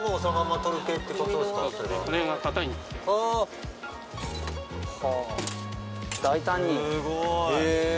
・大胆に。